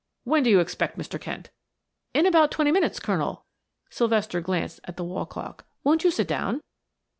"When do you expect Mr. Kent?" "In about twenty minutes, Colonel." Sylvester glanced at the wall clock. "Won't you sit down?"